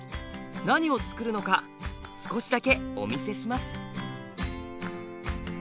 何をつくるのか少しだけお見せします。